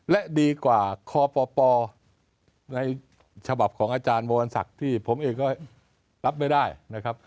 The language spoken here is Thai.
และดีกว่าคปในฉบับของอาจารย์วรศักดิ์ที่ผมเองก็รับไม่ได้นะครับ